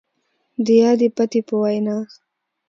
د يادې پتې په وينا،